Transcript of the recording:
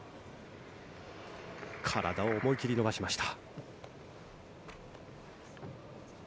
体を思いきり伸ばしました。